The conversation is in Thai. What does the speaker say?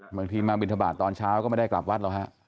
บางทีมาบินทบาทตอนเช้าก็ไม่ได้กลับวัดหรอกฮะ